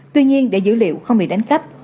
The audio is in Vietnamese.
tuy nhiên để dữ liệu không bị đánh cách